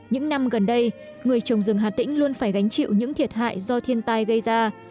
những năm gần đây người trồng rừng hà tĩnh luôn phải gánh chịu những thiệt hại do thiên tai gây ra